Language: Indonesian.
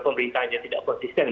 pemerintah aja tidak konsisten